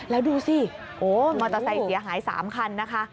แล้วดูสิโอ้มอเตอร์ไซค์เสียหาย๓คันนะคะ